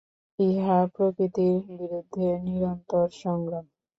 ইহা প্রকৃতির বিরুদ্ধে নিরন্তর সংগ্রাম।